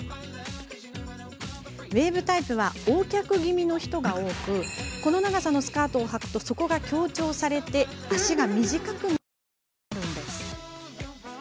ウエーブタイプはＯ脚気味の人が多くこの長さのスカートをはくとそこが強調されて脚が短く見えることがあるんです。